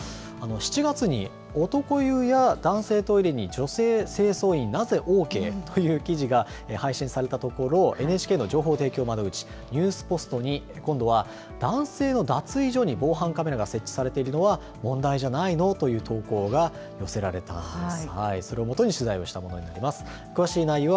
７月に、男湯や男性トイレに女性清掃員なぜＯＫ？という記事が配信されたところ、ＮＨＫの情報提供窓口、ニュースポストに今度は男性の脱衣所に防犯カメラが設置されているのは問題じゃないの？という投稿が寄せられたんです。